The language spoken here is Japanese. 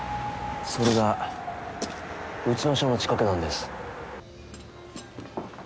それがうちの署の近くなんです。